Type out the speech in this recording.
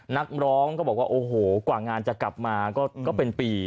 นักร้องก็บอกว่าโอ้โหกว่างานจะกลับมาก็เป็นปี